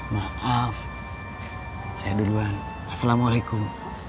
maaf saya duluan assalamualaikum